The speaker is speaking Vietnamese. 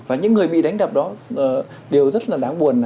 và những người bị đánh đập đó đều rất là đáng buồn